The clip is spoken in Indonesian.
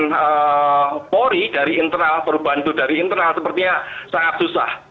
dan polri dari internal perubahan itu dari internal sepertinya sangat susah